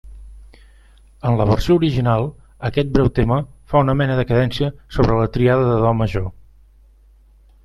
En la versió original, aquest breu tema fa una mena de cadència sobre la tríada de do major.